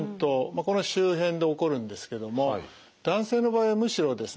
この周辺で起こるんですけども男性の場合はむしろですね